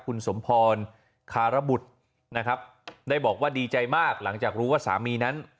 คุณสมพรคารบุตรนะครับได้บอกว่าดีใจมากหลังจากรู้ว่าสามีนั้น